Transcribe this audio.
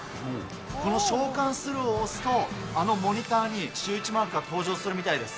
この召喚すると押すと、あのモニターにシューイチマークが登場するみたいです。